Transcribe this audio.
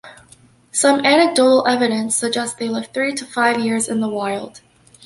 Some anecdotal evidence suggests they live three to five years in the wild.